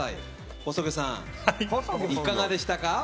細魚さんいかがでしたか？